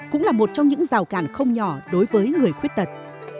cũng là một trong những rào cản không nhỏ đối với người khuyết tật